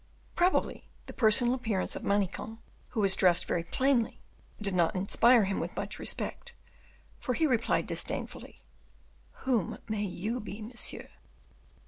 Probably the personal appearance of Manicamp, who was dressed very plainly, did not inspire him with much respect, for he replied disdainfully, "Who may you be, monsieur?"